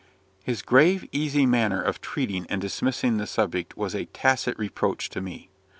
His grave, easy manner of treating and dismissing the subject was a tacit reproach to me.